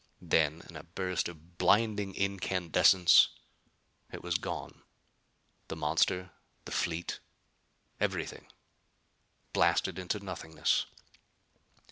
Then, in a burst of blinding incandescence, it was gone. The monster, the fleet everything blasted into nothingness.